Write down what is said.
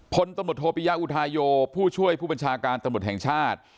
พลตมธปิยอุทายโยผู้ช่วยผู้บัญชาการตมธแห่งชาติ